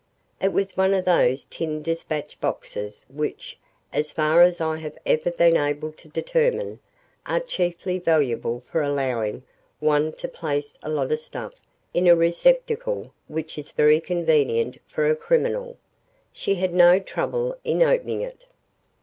It was one of those tin dispatch boxes which, as far as I have ever been able to determine, are chiefly valuable for allowing one to place a lot of stuff in a receptacle which is very convenient for a criminal. She had no trouble in opening it.